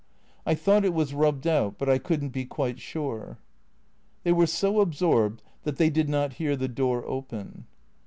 " I thought it was rubbed out, but I could n't be quite sure." They were so absorbed that they did not hear the door open.